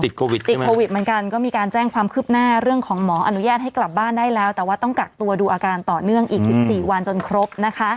ใจมีการแจ้งความขึ้นหน้าเรื่องของหมออนุญาตให้กลับบ้านได้แล้วแต่ว่าต้องกักตัวดูอาการต่อเนื่องอีก๑๔วันจนครบ